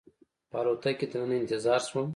په الوتکه کې دننه انتظار شوم.